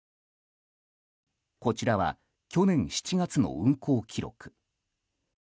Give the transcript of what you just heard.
こちらは、去年７月の運航記録。